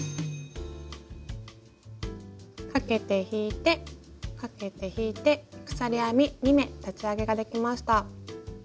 かけて引いてかけて引いて鎖編み２目立ち上げができました。